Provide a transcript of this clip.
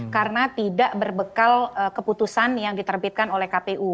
karena tidak berbekal keputusan yang diterbitkan oleh kpu